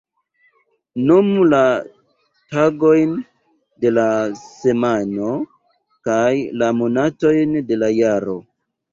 Nomu la tagojn de la semajno kaj la monatojn de la jaro.